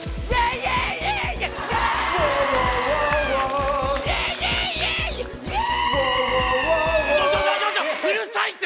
うるさいって！